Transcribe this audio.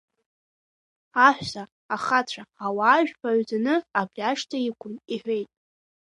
Аҳәса, ахацәа, ауаа жәпаҩӡаны абри ашҭа иқәын, — иҳәеит.